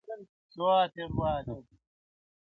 دلته ځوانان ټوله زنده گي وركـوي تا غــــــواړي.